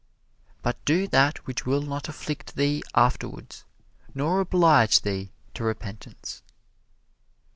But do that which will not afflict thee afterwards, nor oblige thee to repentance.